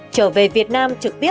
trở về việt nam trực tiếp